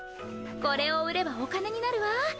これを売ればお金になるわ。